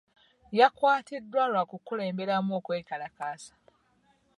Yakwatiddwa lwa kukulemberamu okwekalakaasa.